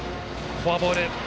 フォアボール。